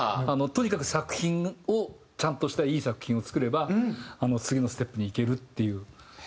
とにかく作品をちゃんとしたいい作品を作れば次のステップにいけるっていうそういう自信みたいなものも。